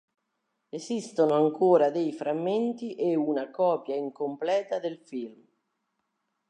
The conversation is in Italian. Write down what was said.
Esistono ancora dei frammenti e una copia incompleta del film.